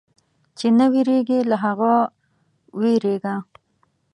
چې نه وېرېږي، له هغه وېرېږه.